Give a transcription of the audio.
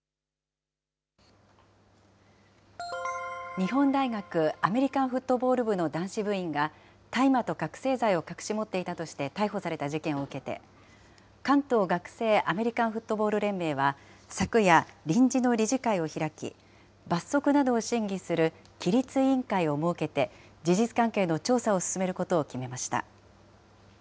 日本大学アメリカンフットボール部の男子部員が、大麻と覚醒剤を隠し持っていたとして逮捕された事件を受けて、関東学生アメリカンフットボール連盟は昨夜、臨時の理事会を開き、罰則などを審議する規律委員会を設けて、事実関係の調査を進めることを決めました。